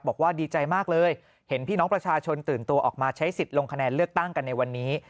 บอกว่าดีใจมากเลยเห็นพี่น้องประชาชนตื่นตัวออกมาใช้สิทธิ์ลงคะแนนเลือกตั้งกันในวันนี้